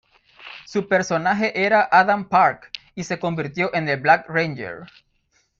Su personaje era Adam Park y se convirtió en el Black Ranger.